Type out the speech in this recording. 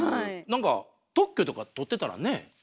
なんか特許とか取ってたらね。